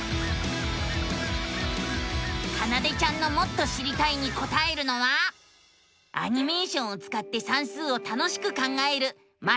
かなでちゃんのもっと知りたいにこたえるのはアニメーションをつかって算数を楽しく考える「マテマティカ２」。